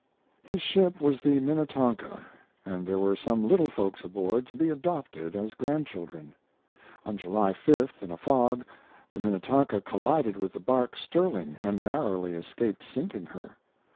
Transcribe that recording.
His ship was the Minnetonka, and there were some little folks aboard to be adopted as grandchildren. On July 5th, in a fog, the Minnetonka collided with the bark Sterling, and narrowly escaped sinking her.